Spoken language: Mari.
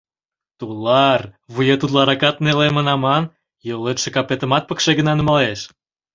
— Тула-а-р, вует утларакат нелемын аман, йолетше капетымат пыкше гына нумалеш.